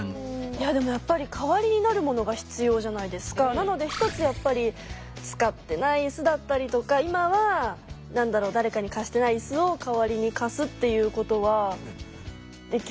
なので一つやっぱり使ってないいすだったりとか今は何だろう誰かに貸してないいすを代わりに貸すっていうことはできるのかなって思います。